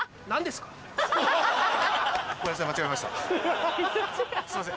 すいません！